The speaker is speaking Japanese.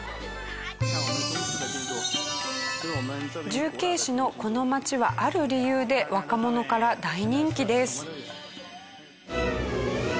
重慶市のこの街はある理由で若者から大人気です。